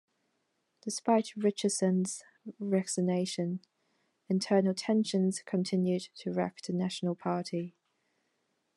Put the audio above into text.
Despite Richardson's resignation, internal tensions continued to wrack the National Party.